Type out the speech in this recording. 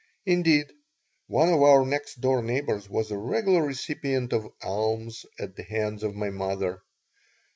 Indeed, one of our next door neighbors was a regular recipient of alms at the hands of my mother.